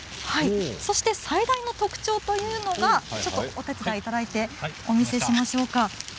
そして最大の特徴というのがちょっとお手伝いいただいてお見せしましょうか。